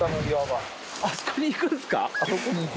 あそこに行くんですか？